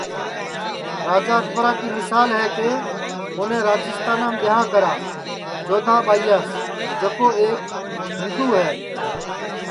راجا اکبرا کی مسال ہے کہ اُنے راجیستانام ٻیاں کرا جودھا ٻائیاس جکو ایک ہندواس